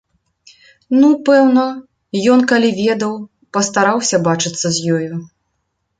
Ну, пэўна, ён, калі ведаў, пастараўся бачыцца з ёю.